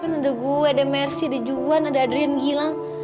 kan ada gue ada mercy ada juan ada adrian gilang